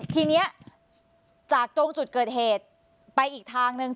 ทีนี้จากตรงจุดเกิดเหตุไปอีกทางนึง